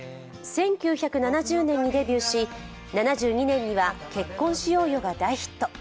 １９７０年にデビューし、７２年には「結婚しようよ」が大ヒット。